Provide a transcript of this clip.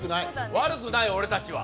悪くない俺たちは。